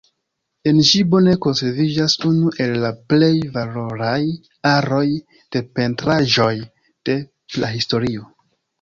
En ĝi bone konserviĝas unu el la plej valoraj aroj de pentraĵoj de Prahistorio.